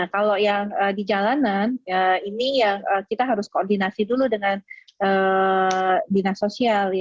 kalau yang di jalanan ini kita harus koordinasi dulu dengan dinas sosial